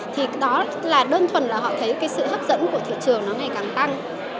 thì đó là đơn thuần là họ thấy cái sự hấp dẫn của thị trường nó ngày càng tăng